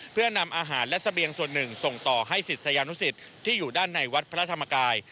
เพื่อนำอาหารและเสบียงส่วนหนึ่งส่งต่อให้ศิษยานุสิตที่อยู่ด้านในวัดพระธรรมกาย